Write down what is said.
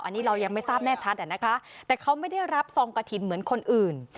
อันนี้เรายังไม่ทราบแน่ชัดอะนะคะแต่เขาไม่ได้รับซองกระถิ่นเหมือนคนอื่น